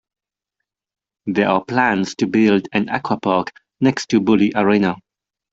There are plans to build an aquapark next to Buly Arena.